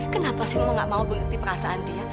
kenapa sih mama nggak mau berikuti perasaan dia